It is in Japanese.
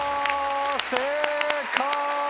正解！